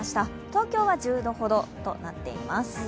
東京は１５度ほどとなっています。